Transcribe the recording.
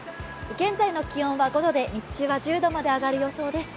現在の気温は５度で、日中は１０度まで上がる予想です。